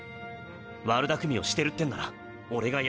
悪巧みをしてるってんなら俺がやめさせる。